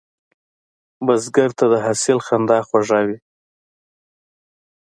بزګر ته د حاصل خندا خوږه وي